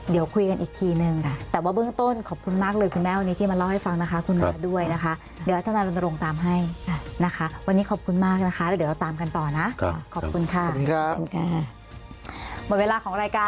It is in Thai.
เดี๋ยวคุยกันอีกทีหนึ่ง